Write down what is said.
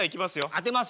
当てますよ。